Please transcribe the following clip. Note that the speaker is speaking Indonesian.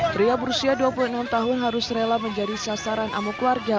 pria berusia dua puluh enam tahun harus rela menjadi sasaran amuk warga